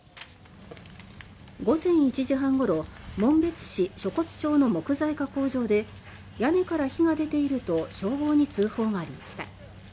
午前１時半ごろ紋別市渚滑町の木材加工場で屋根から火が出ていると消防に通報がありました。